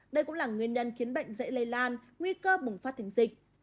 đây cũng là nguyên nhân khiến bệnh dễ lây lan nguy cơ bùng phát thành dịch